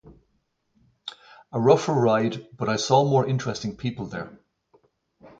A rougher ride but I saw more interesting people there.